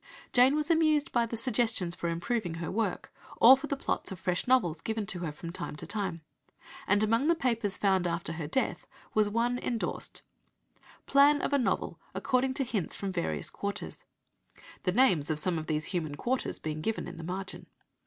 Jane was amused by the suggestions for improving her work, or for the plots of fresh novels, given to her from time to time, and among the papers found after her death was one endorsed "Plan of a novel according to hints from various quarters," the names of some of these human "quarters" being given in the margin.